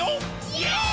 イエーイ！！